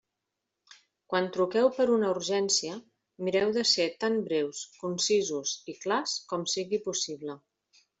Quan truqueu per una urgència, mireu de ser tan breus, concisos i clars com sigui possible.